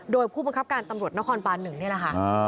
โดยผู้บังคับการตำรวจนครบาน๑นี่แหละค่ะ